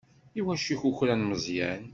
I wacu i ikukra Meẓyan?